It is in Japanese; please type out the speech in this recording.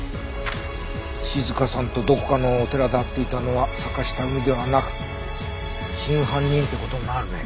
静香さんとどこかのお寺で会っていたのは坂下海ではなく真犯人って事になるね。